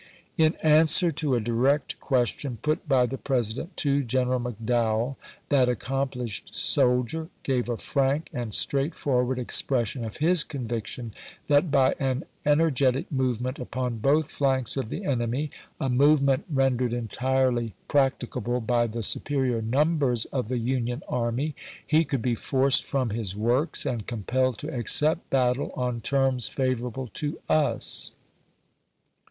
In answer to a direct question put by the Presi dent to General McDowell, that accomplished soldier gave a frank and straightforward expression of his conviction that by an energetic movement upon both flanks of the enemy — a movement ren dered entirely practicable by the superior numbers of the Union army — he could be forced from his works and compelled to accept battle on terms favorable to us.